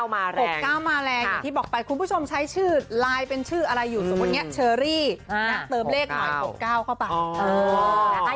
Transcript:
๖๙มาแรงอย่างที่บอกไปคุณผู้ชมใช้ชื่อไลน์เป็นชื่ออะไรอยู่สมมุติอย่างนี้เชอรี่เติมเลขหน่อย๖๙เข้าไป